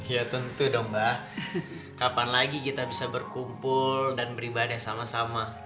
ya tentu dong mbak kapan lagi kita bisa berkumpul dan beribadah sama sama